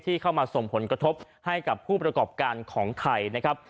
ที่เข้ามาส่งผลกระทบให้ผู้ประกอบการของไทย